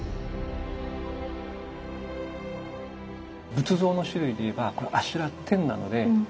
仏像の種類でいえばこれは阿修羅天なので。